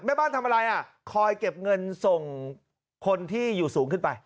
บ้านทำอะไรอ่ะคอยเก็บเงินส่งคนที่อยู่สูงขึ้นไป